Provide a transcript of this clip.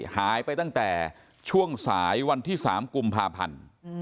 หายไปตั้งแต่ช่วงสายวันที่๓กุมภาพันธ์